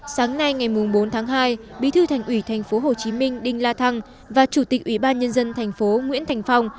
sáng nay ngày bốn tháng hai bí thư thành ủy tp hcm đinh la thăng và chủ tịch ủy ban nhân dân thành phố nguyễn thành phong